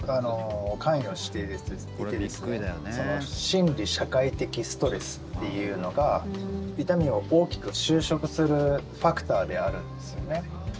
心理社会的ストレスっていうのが痛みを大きく修飾するファクターであるんですよね。